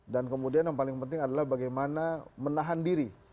dan kemudian yang paling penting adalah bagaimana menahan diri